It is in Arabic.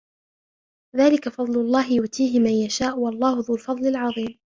ذَلِكَ فَضْلُ اللَّهِ يُؤْتِيهِ مَنْ يَشَاءُ وَاللَّهُ ذُو الْفَضْلِ الْعَظِيمِ